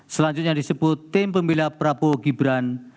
selanjutnya disebut tim pembela prabowo gibran